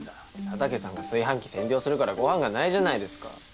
佐竹さんが炊飯器占領するからご飯がないじゃないですか。